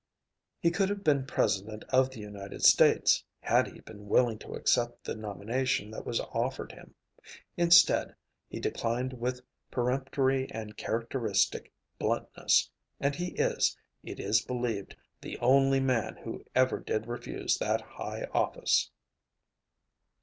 He could have been President of the United States, had he been willing to accept the nomination that was offered him; instead, he declined with peremptory and characteristic bluntness, and he is, it is believed, the only man who ever did refuse that high office.